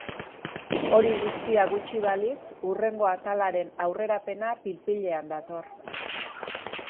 Hori guztia gutxi balitz, hurrengo atalaren aurrerapena pil-pilean dator.